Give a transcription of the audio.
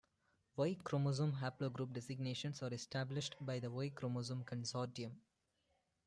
Y chromosome haplogroup designations are established by the Y Chromosome Consortium.